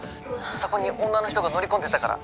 「そこに女の人が乗り込んでいったから」